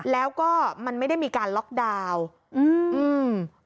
แล้วก็มันไม่ได้มีการล็อกดาวน์